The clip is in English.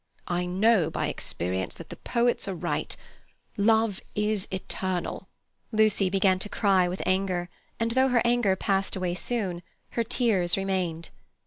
I know by experience that the poets are right: love is eternal." Lucy began to cry with anger, and though her anger passed away soon, her tears remained.